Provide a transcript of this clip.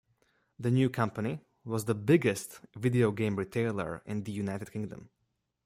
The new company was the biggest video game retailer in the United Kingdom.